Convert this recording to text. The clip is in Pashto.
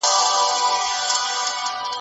له غلو سره ملګری نګهبان په باور نه دی